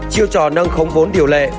chiêu trò nâng khống vốn điều lệ